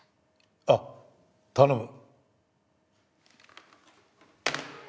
ああ頼む。